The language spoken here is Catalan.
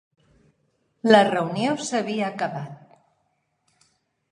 La reunió s'havia acabat.